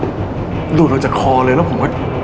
หลุดออกจากคอเลยแล้วผมว่า